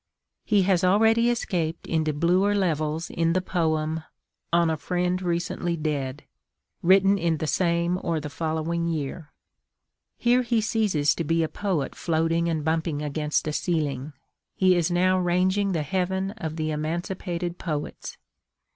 He has already escaped into bluer levels in the poem, On a friend Recently Dead, written in the same or the following year. Here he ceases to be a poet floating and bumping against a ceiling. He is now ranging the heaven of the emancipated poets.